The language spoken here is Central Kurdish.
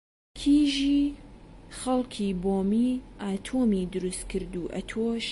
کیژی خەڵکی بۆمی ئاتۆمی دروست کرد و ئەتۆش